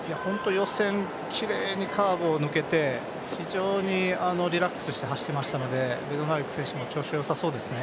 予選、きれいにカーブを抜けて非常にリラックスして走っていましたのでベドナレク選手も調子よさそうですね。